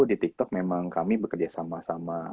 di tiktok memang kami bekerja sama sama